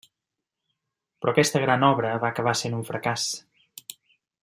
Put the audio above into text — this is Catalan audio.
Però aquesta gran obra va acabar sent un fracàs.